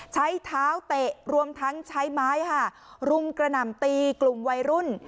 ใช้เท้าเตะรวมทั้งใช้ไม้ค่ะรุมกระหน่ำตีกลุ่มวัยรุ่น